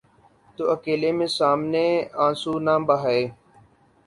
تو اکیلے میں، سامنے آنسو نہ بہائے۔